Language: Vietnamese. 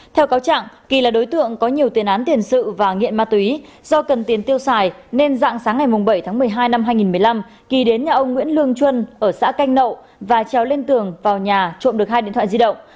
theo cáo trạng kỳ là đối tượng có nhiều tiền án tiền sự và nghiện ma túy do cần tiền tiêu xài nên dạng sáng ngày bảy tháng một mươi hai năm hai nghìn một mươi năm kỳ đến nhà ông nguyễn lương trân ở xã canh nậu và treo lên tường vào nhà trộm được hai điện thoại di động